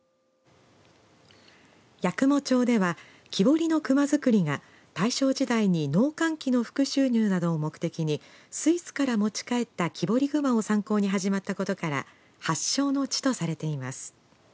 八雲町では木彫りの熊作りが大正時代に農閑期の副収入などを目的にスイスから持ち帰った木彫り熊を参考に始まったことから発祥の地とされています。